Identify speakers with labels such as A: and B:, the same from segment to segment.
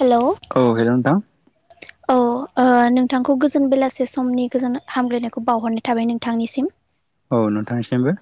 A: हेल' औ
B: हेल' नोंथां औ
A: ओ नोंथांखौ गोजोन बेलासे समनि गोजोन हामग्लायनायखौ बावहरनाय थाबाय नोंथांनिसिम।
B: औ नोंथांनिसिमबो।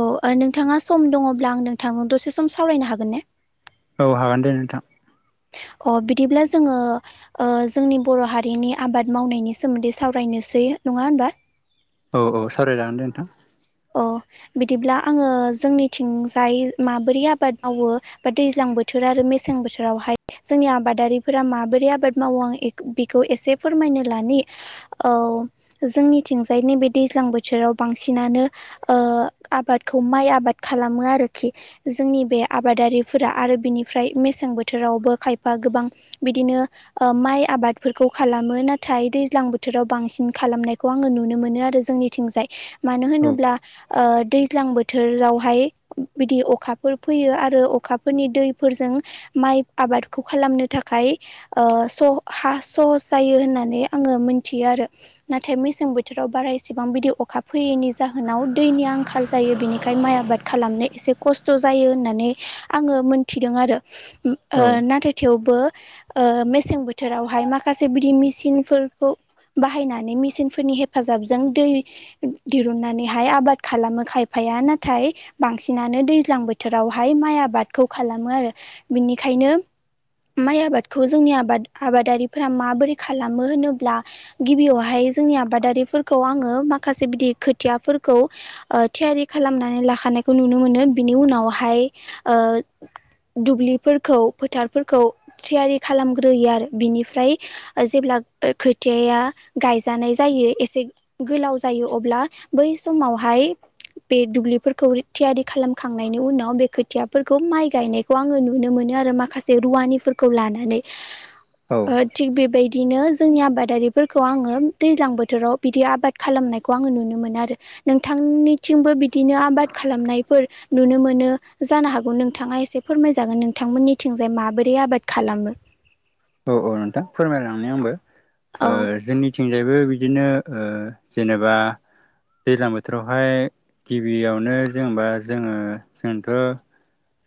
A: औ नोंथाङा सम दङब्ला आं नोंथां दसे सम सावरायनो हागोन ने?
B: औ हागोन दे नोंथां।
A: अ बिदिब्ला जोङो जोंनि बर' हारिनि आबाद मावनायनि सोमोन्दै सावरायनोसै नङा होमबा
B: औ औ सावरायजागोन दे नोंथां
A: अ बिदिब्ला आङो जोंनिथिंजाय माबोरै आबाद मावो बा दैज्लां बोथोर बोथोर आरो मेसें बोथोरावहाय जोंनि आबादारिफोरा माबोरै आबाद मावो आं बेखौ एसे फोरमायनो लानो औ जोंनिथिंजायनि बे दैज्लां बोथोराव बांसिनानो। ओ आबादखौ माइ आबाद खालामो आरोखि। जोंनि बे आबादारिफोरा आरो बिनिफ्राय मेसें बोथोरावबो खायफा गोबां बिदिनो ओ माइ आबादफोरखौ खालामो नाथाय दैज्लां बोथोराव बांसिन खालामनायखौ आङो नुनो मोनो आरो जोंनि थिंजाय मानो
B: औ
A: होनोब्ला दैज्लां बोथोरावहाय बिदि अखाफोर फैयो आरो अखाफोरनि दैफोरजों माइ आबाद खौ खालामनो थाखाय ओ हा सहस जायो होननानै आङो मोनथियो आरो। नाथाय मेसें बोथोराव बारा एसेबां बिदि अखा फैयैनि जाहोन होनाव दैनि आंखाल जायो बिनिखायनो माइ आबाद खालामनो एसे खस्थ' जायो होननानै आङो मोन थिदों आरो।
B: औ
A: नाथाय थेवबो ओ मेसें बोथोरावहाय माखासे बिदि मेचिनफोरखौ बाहायनानै मेसिन फोरनि हेफाजाबजों दै दिरुननानै बेहाय आबाद खालामो खायफाया नाथाय बांसिनानो दैज्लां बोथोरावहाय माइ आबादखौ खालामो आरो बिनिखायनो माइ आबादखौ जोंनि आबाद आबादारिफोरा माबोरै खालामो होनोब्ला गिबियावहाय जोंनि आबादारिफोरखौ आङो माखासे बिदि खोथियाफोर खौ थियारि खालामनानै लाखानायखौ नुनो मोनो बिनि उनावहाय ओ दुब्लिफोरखौ फोथारफोरखौ थियारि खालामग्रोयो आरो बिनिफ्राय जेब्ला खोथियाया गायजानाय जायो एसे गोलाव जायो अब्ला बै समावहाय बे दुब्लिफोरखौ थियारि खालामखांनायनि उनाव बे खोथियाफोरखौ माइ गायनाय खौ आङो नुनो मोनो आरो माखासे रुवानिफोरखौ लानानै।
B: औ
A: ओ थिग बेबायदिनो जोंनि आबादारिफोरखौ आङो दैज्लां बोथोराव बिदि आबाद खालामनायखौ आङो नुनो मोनो आरो। नोंथांनिथिंबो बिदिनो आबाद खालामनायफोर नुनो मोनो जानो हागौ नोंथाङा एसे फोरमायजागोन नोंथांमोननिथिंजाय माबोरै आबाद खालामो।
B: औ औ नोंथां फोरमायलांनानै आंबो।
A: औ
B: ओ जोंनि थिंजायबो बिदिनो ओ जेनेबा दै्लां बोथोरावहाय गिबियावनो जेनेबा जोङो जोंथ'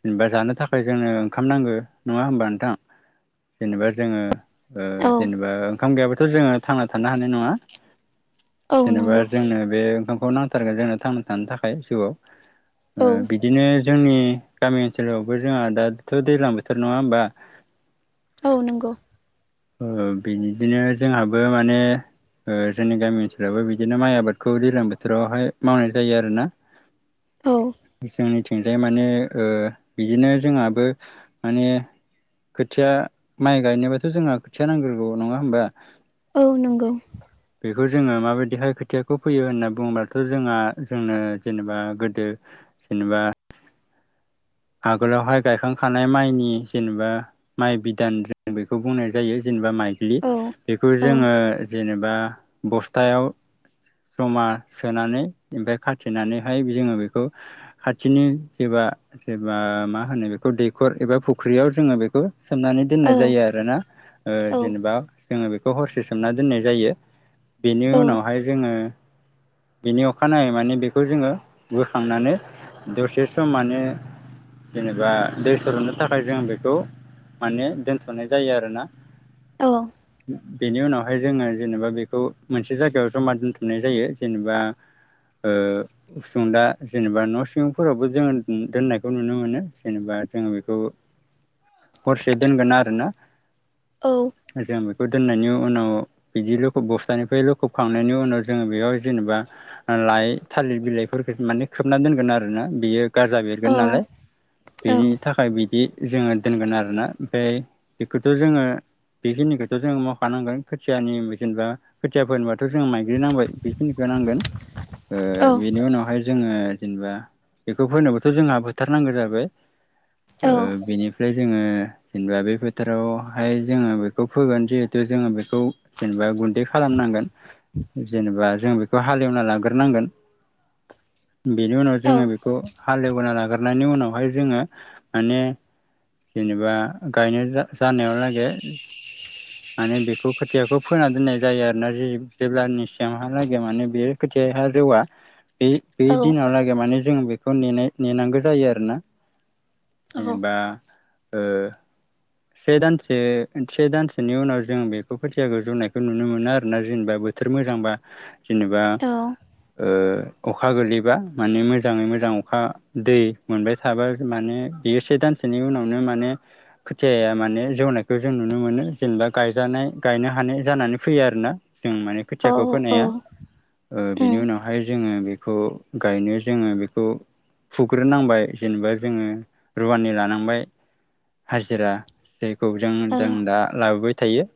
B: जेनबा जानो थाखाय जोंनो ओंखाम नांगौ नङा होमबा नोंथां। जेनेबा जोङो ओ जेनेबा ओंखाम गैयाब्लाथ' जोङो थांना थानो हानाय नङा।
A: औ
B: जेनेबा
A: नंगौ
B: जोंनो बे ओंखामखौ नांथारगोन जोंनो थांना थानो थाखाय जिउआव।
A: औ
B: ओ बिदिनो जोंनि गामि ओनसोलावबो जोंहा दाथ' दैज्लां बोथोर नङा होमबा?
A: औ नंगौ।
B: बिदिनो जोंहाबो माने ओ जोंनि गामि ओनसोलावबो बिदिनो माइ आबादखौ दैज्लां बोथोरावहाय मावनाय जायो आरो ना।
A: औ
B: जोंनिथिंजाय माने बिदिनो जोंहाबो माने खोथिया माइ गायनोबाथ' जोंहा खोथिया नांग्रोगौ नङा होमबा‌
A: औ नंगौ
B: बेखौ जोङो माबायदिहाय खोथियाखौ फैयो होनना बुङोबथ' जोंहा जोंनो जेनेबा गोदो जेनेबा आगोलावहाय गायखांखानाय माइनि जेनेबा माइ बिदान जों बेखौ बुंनाय जायो जेनेबा माइग्लि
A: औ
B: बेखौ
A: औ
B: जोङो जेनेबा बस्थायाव जमा सोनानै ओमफ्राय खाथिेनानैहाय जोङो बेखौ खाथिनो जेबा जेबा मा होनो बेखौ दैखर एबा फुख्रियाव जोङो बेखौ सोमनानै दोननाय जायो
A: औ
B: आरो। आरोना
A: औ
B: जेनेबा जोङो बेखौ हरसे सोमना दोननाय जायो बेनि
A: औ
B: उनावहाय जोङो बिनि अखानायै माने बेखौ जोङो बोखांनानै दसे सम माने जेनेबा दै सर'नो थाखाय जों बेखौ माने दोनथ'नाय जायो आरोना
A: औ
B: बेनि उनावहाय जोङो जेनेबा बेखौ मोनसे जायगायाव जमा दोनथुमनाय जायो जेनेबा ओ उसुंदा जेनेबा न' सिंफोरावबो जोङो दोननायखौ नुनो मोनो जेनेबा जोङो बेखौ हरसे दोनगोन आरोना
A: औ
B: जों बेखौ दोननायनि उनाव बिदि लखब बस्तानिफ्राय लखबखांनायनि उनाव जोङो बेयाव जेनेबा लाइ थालिर बिलाइफोरखौ माने खोबना दोनगोन आरो ना बेयो गारजा बे बिरगोन नालाय
A: औ
B: बेनि थाखाय बिदि जोङो दोनगोन आरोना ओमफाय बेखौथ' जोङो बेखिनिखौथ' जों मावखानांगोन खोथियानि जेनेबा खोथियाफोर होनबाथ' जों माइग्रि नांबाय बेखिनिखौ नांगोन ओ
A: औ
B: बेनि उनावहाय जोङो जेनेबा बेखौ फनोबो थ' जोंहा बोथारनांगौ जाबाय ओ बेनिफ्राय ओमफ्राय जोङो जेनेबा बे फोथारावहाय जोङो बेखौ फोगोन जिहेथु जोङो बेखौ जेनेबा गुन्दै खालामनांगोन जेनेबा जों बेखौ हालेवना लागोरनांगोन
A: [inaudible]
B: बेनि उनाव
A: औ
B: जोङो बेखौ हालेवबोना लाग्रनायनि उनावहाय जोङो माने जेनेबा गायनो जानायावलागै
A: [inaudible]
B: माने बेखौ खोथियाखौ फोना दोननाय जायो आरोना जे जेब्लानि सिमहालागै माने बेयो खोथियहा जौआ बे बे दिनाहालागै माने जों बेखौ नेनांगौ जायो आरोोना जेनेबा ओ से दानसे से दानसेनि उनाव जों बेखौ खोथियाखौ जौनायखौ नुनो मोनो आरो ना जेनेबा बो थोर मोजांबा जेनेबा ओ अखा गोल्लैबा माने मोजाङै मोजां अखा दै मोनबाय थाबा माने बेयो से दानसेनि उनावनो माने खोथियाया माने जौनायखौ जों नुनो मोनो जेनेबा गायजानाय गायनो हानाय जानानै फैयो आरोना जों माने खोथियाखौ
A: औ औ
B: फोनाया ओ बिनि
A: उम
B: उनावहाय जोङो बेखौ गायनो जोङो बेखौ फुग्रोनांबाय जेनेबा जोङो रुवानि लानांबाय हाजिरा जेखौ जों
A: औ
B: जों दा लाबोबाय थायो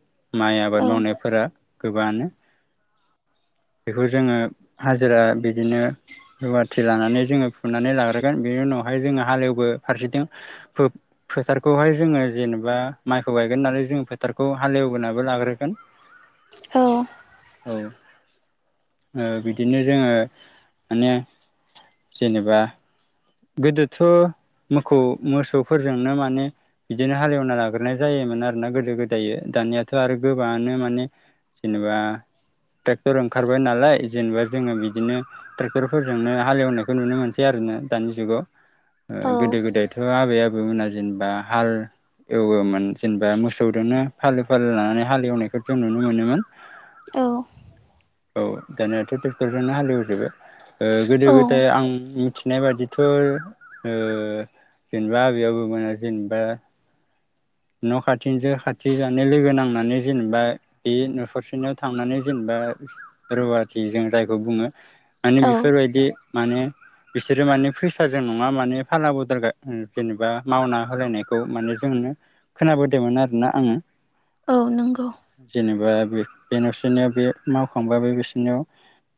B: माइ आबाद
A: औ
B: मावनायफोरा गोबानो बेखौ जोङो हाजिरा बिदिनो रुवाथि लानानै जोङो फुनानै लाग्रोगोन बेनि उनावहाय जोङो हालेवबो फारसेथि फो- फोथार खौहाय जोङो जेनेबा माइखौ गायगोन नालाय जोङो फोथारखौ हालेवग्रोनाबो लाग्रोगोन।
A: [inaudible]
B: औ ओ बिदिनो जोङो माने जेनेबा गोदोथ' मोसौ मोसौफोरजोंनो माने बिदिनो हालेवना लाग्रोनाय जायोमोन आरोना गोदो-गोदाय दानियाथ' आरो गोबाङानो माने जेनेबा ट्रेक्टर ओंखारबाय नालाय जेनेबा जोङो बिदिनो ट्रेक्टरफोरजोंनो हालेवनायखौ नुनो मोनसै आरोना दानि जुगाव ओ
A: औ
B: गोदो-गोदायथ' आबै-आबौमोना जेनेबा हाल एवोमोन जेनेबा मोसौजोंनो फालो फालो लानानै हालेवनायखौ जों नुनो मोनोमोन
A: औ।
B: औ दानियाथ' ट्रेक्टरजोंनो हालेवजोबो। ओ गोदो
A: औ
B: गोदाय आं मिथिनाय बायदिथ' ओ जेनेबा आबै-आबौमोना जेनेबा न' खाथिनिजों खाथि जानाय लोगो नांनानै जेनेबा बे न'खरसेनो थांनानै जेनेबा रुवाथि जों जायखौ बुङो माने
A: औ
B: बेफोरबायदि माने बिसोरो माने फैसाजों नङा माने फाला बदल जेनेबा मावना होलायनाय खौ माने जोंनो खोनाबोदोंमोन आरोना आङो।
A: औ नंगौ।
B: जेनेबा बे बे न'सेनियाव बे मावखांबा बे न'सेनियाव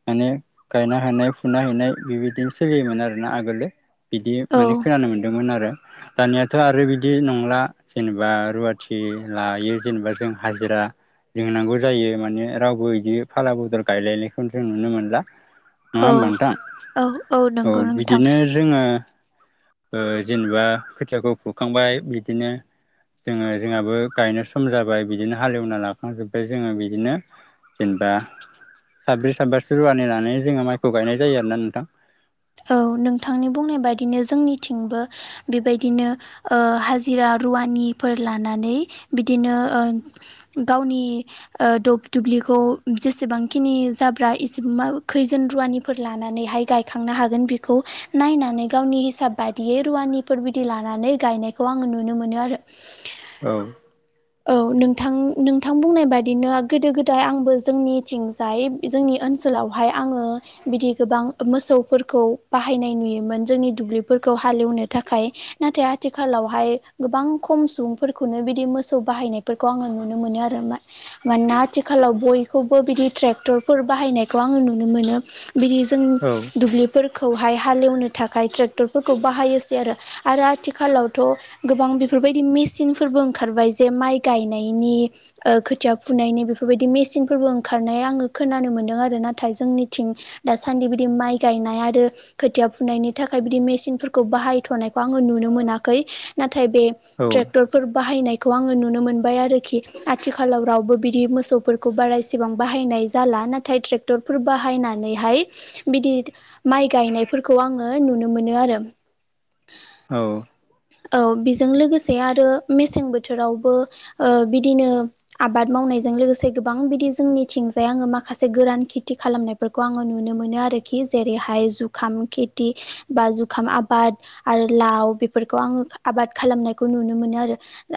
B: माने गायनो हानाय, फुनो हानाय बेबायदिनो सोलियोमोन आरोना आगोलो बिदि माने
A: औ
B: खोनानो मोन्दोंमोन आरो दानियाथ' आरो बि बिदि नंला जेनेबा रुवाथि लायो जेनेबा जों हाजिरा लोंनांगौ जायो माने रावबो बिदि फाला बदल गायलायनायखौ जों नुनो मोनला। नङा होमबा
A: औ
B: नोंथां?
A: औ
B: औ
A: नंगौ नोंथां
B: बिदिनो जोङो ओ जेनेबा खोथियाखौ फुखांबाय बिदिनो जोङो जोंहाबो गायनाय सम जाबाय बिदिनो हालेवना लाखांजोबबाय जोङो बिदिनो जेनेबा साब्रै साबासो रुवा नानै जोङो माइखौ गायनाय जायो आरोना नोंथां
A: औ नोंथांनि बुंनाय बायदिनो जोंनिथिंबो बेबायदिनो ओ हाजिरा रुवानिफोर लानानै बिदिनो ओ गावनि ओ दब दुब्लिखौ जेसेबांखिनि जाब्रा एसे मा खैजोन रुवानि लानानैहाय गायखांनो हाग गोन बिखौ नायनानै गावनि हिसाब बायदियै रुवानिफोर बिदि लानानै गायनायखौ आङो नुनो मोनो आरो। [inaudible]
B: औ।
A: औ नोंथां नोंथां बुंनाय बादिनो गोदो-गोदाय आंबो जोंनिथिंजाय जोंनि ओनसोलावहाय आङो बिदि गोबां मोसौ फोरखौ बाहायनाय नुयोमोन जोंनि दुब्लिफोरखौ हालेवनो थाखाय। नाथाय आथिखालावहाय गोबां खम सुबुंफोरखौनो बिदि मोसौ बाहायनायफोर खौ आङो नुनो मोनो आरोमा। मानोना आथिखालाव बयखौबो बिदि ट्रेक्टरफोर बाहायनायखौ आङो नुनो मोनो बिदि जों
B: औ
A: दुब्लिफोरखौहाय हालेवनो थाखाय ट्रेक्टरफोरखौ बाहायोसै आरो, आरो आथिखालावथ' गोबां बेफोरबायदि मेचिनफोरबो ओंखारबाय जे माइ गायनायनि ओ खोथिया फुनायनि बेफोरबायदि मेसिनफोरबो ओंखारनाया आङो खोनानो मोन्दों आरो नाथाय जोंनिथिं दासान्दि बिदि माइ गायनाय आरो खोथिया फुनायनि थाखाय बिदि मेचिनफोरखौ बाहायथ'नायखौ आङो नुनो मोनाखै नाथाय बे
B: औ
A: ट्रेक्टरफोर बाहायनायखौ आङो नुनो मोनबाय आरोखि। आथिखालाव रावबो बिदि मोसौफोरखौ बारासेबां बाहायनाय जाला नाथाय ट्रेक क्टरफोर बाहायनानैहाय बिदि माइ गायनायफोरखौ आङो नुनो मोनो आरो
B: औ।
A: औ बेजों लोगोसे आरो मेसें बोथोरावबो ओ बिदिनो आबाद मावनायजों लोगोसे गोबां बिदि जोंनिथिंजाय आङो माखासे गोरान खेथि खालामनाय बेफोरखौ आङो नुनो मोनो आरोखि जेरैहाय जुखाम खेथि बा जुखाम आबाद आरो लाव बेफोरखौ आङो आबाद खालामनायखौ नुनो मोनो आरो।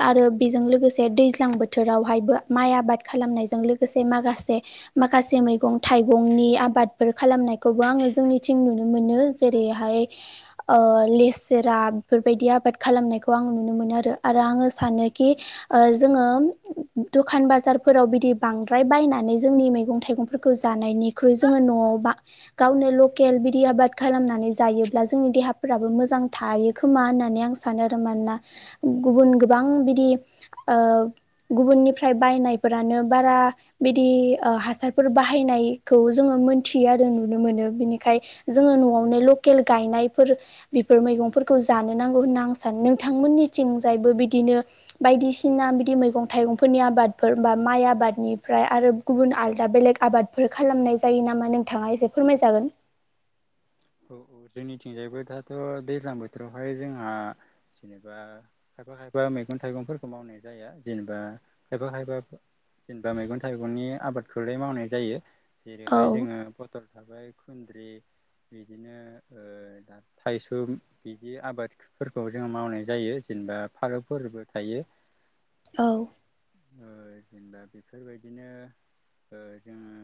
A: आरो बेजों लोगोसे दैज्लां बोथोरावहायबो माइ आबाद खालामनायजों लोगोसे माखासे माखासे मैगं थाइगंनि आबादफोर खालामनायखौबो आङो जोंनिथिं नुनो मोनो। जेरैहाय ओ लेसोराफ बेफोरबायदि आबाद खालामनायखौ आं नुनो मोनो आरो आरो आङो सानोखि ओ जोङो दखान बाजारफोराव बिदि बांद्राय बायनानै जोंनि मैगं थाइगंफोरखौ जानायनिख्रुइ जोङो न'आव बा गावनो लकेल बिदि आबाद खालामनानै जायोब्ला जोंनि देहाफोराबो मोजां थायो। खोमा होननानै आं सानोआरो मानोना गुबुन गोबां बिदि ओ गुबुननिफ्राय बायनायफोरानो बारा बिदि ओ हासारफोर बाहायनायखौ जोङो मोनथियो आरो नुनो मोनो बिनिखाय जोङो न'आवनो लकेल गायनायफोर बेफोर मैगंफोर खौ जानो नांगौ होनना आं सानो नोंथांमोननिथिंजायबो बिदिनो बायदिसिना बिदि मैगं थाइगंफोरनि आबादफोर बा माइ आबादनिफ्राय आरो गुबुन आलदा बेलेग आबादफोर खालामनाय जायो नामा? नोंथाङा एसे फोरमायजागोन।
B: औ औ जोंनिथिंजायबो दाथ' दैज्लां बोथोरावहाय जोंहा जेनेबा खायफा खायफा मैगं थाइगंफोरखौ मावनाय जाया जेनेबा खायफा खायफा जेनेबा मैगं थाइगंनि आबादखौैलाय मावनाय जायो।
A: औ
B: जेरैहाय जोङो पथल थाबाय खुन्द्रि बिदिनो ओ दा थाइसुम बिदि आबाद फोरखौ जोंङो मावनाय जायो जेनेबा फालौफोरबो थायो।
A: औ।
B: औ जेनेबा बेफोरबायदिनो ओ जोङो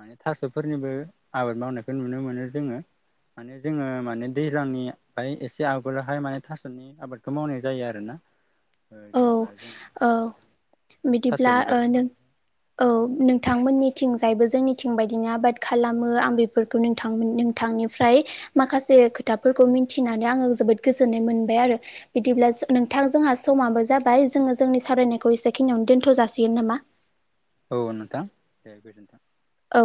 B: माने थास'फोरनिबो आबाद मावनायखौ नुनो मोनो जोङो। माने जोङो माने दैज्लांनि माने एसे आगोलावहाय माने थास'नि आबादखौ मावनाय जायोआरो ना।
A: [inaudible]
B: ओ जेनेबा जों
A: औ
B: थास'नि थास'
A: बिदिब्ला ओ नों
B: बिबारखौ
A: औ नोंथांमोननिथिंजायबो जोंनिथिं बायदिनो आबाद खालामो आं बे फोरफोरखौ नोंथां नोंथांनिफ्राय माखासे खोथाफोरखौ मिथिनानै आङो जोबोद गोजोननाय मोनबाय आरो। बिदिब्ला नोंथां जोंहा समाबो जाबाय जोङो जोंनि सावरायनायखौ एसेखिनियावनो दोनथ' जासिगोन नामा?
B: औ नोंथां दे गोजोन्थों।
A: औ।